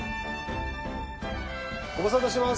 ご無沙汰してます！